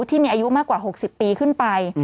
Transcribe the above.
ที่มีอายุมากกว่า๖๐ปีขึ้นไป